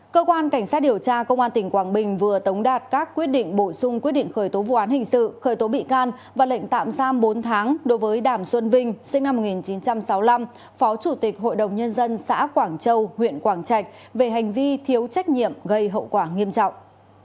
cơ quan cảnh sát điều tra công an tỉnh quảng bình vừa tống đạt các quyết định bổ sung quyết định khởi tố vụ án hình sự khởi tố bị can và lệnh tạm giam bốn tháng đối với đàm xuân vinh sinh năm một nghìn chín trăm sáu mươi năm phó chủ tịch hội đồng nhân dân xã quảng châu huyện quảng trạch về hành vi thiếu trách nhiệm gây hậu quả nghiêm trọng